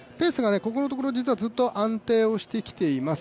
このところずっと安定をしてきています。